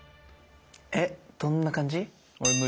えどんな感じ？